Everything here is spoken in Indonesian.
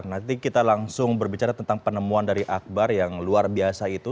nanti kita langsung berbicara tentang penemuan dari akbar yang luar biasa itu